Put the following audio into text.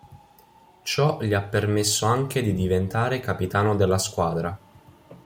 Ciò gli ha permesso anche di diventare capitano della squadra.